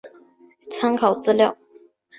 参考资料